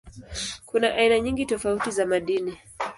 Kuna aina nyingi tofauti za madini.